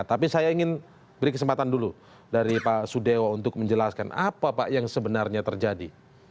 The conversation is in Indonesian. tapi saya ingin beri kesempatan dulu dari pak sudewo untuk menjelaskan apa pak yang sebenarnya terjadi